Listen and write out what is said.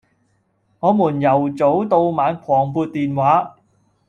我們由早到晚狂撥電話